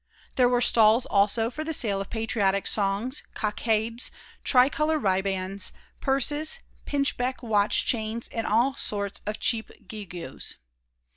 There were stalls also for the sale of patriotic songs, cockades, tricolour ribands, purses, pinchbeck watch chains and all sorts of cheap gewgaws.